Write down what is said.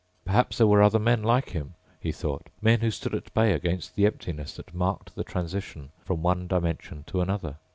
Perhaps there were other men like him, he thought. Men who stood at bay against the emptiness that marked the transition from one dimension to another.